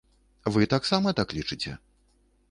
Вы таксама так лічыце?